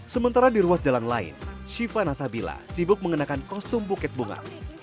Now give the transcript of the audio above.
sementara di ruas jalan lain shiva nasabila sibuk mengenakan kostum buket bunga